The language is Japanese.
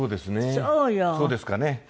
そうですね。